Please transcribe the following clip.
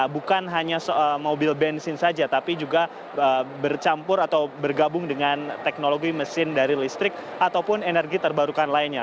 bukan hanya mobil bensin saja tapi juga bercampur atau bergabung dengan teknologi mesin dari listrik ataupun energi terbarukan lainnya